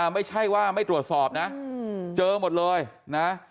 ไม่ใช่ว่าไม่ตรวจสอบนะเจอหมดเลยนะ